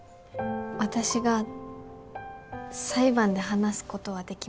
私が裁判で話すことはできますか？